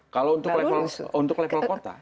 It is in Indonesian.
kalau untuk level kota